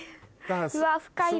うわ深いな。